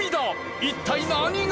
一体何が？